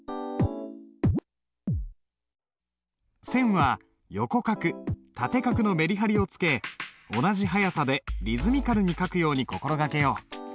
線は横画縦画のメリハリをつけ同じ速さでリズミカルに書くように心掛けよう。